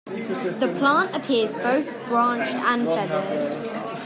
The plant appears both branched and feathered.